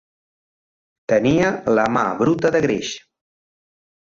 Tenia la mà bruta de greix.